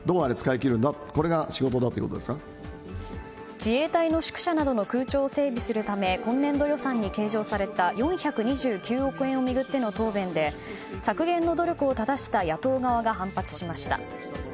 自衛隊の宿舎の空調を整備するための今年度予算に計上された４２９億円を巡っての答弁で削減の努力をただした野党側が反発しました。